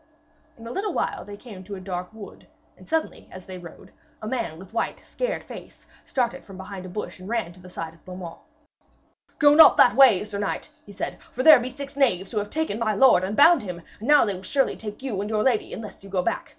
In a little while they came to a dark wood, and suddenly as they rode, a man with white scared face started from behind a bush and ran to the side of Beaumains. 'Go not that way, sir knight,' he said, 'for there be six knaves who have taken my lord and bound him, and now they will surely take you and your lady unless you go back.